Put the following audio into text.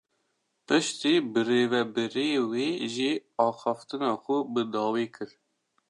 Piştî birêveberiyê wî jî axaftina xwe bi dawî kir.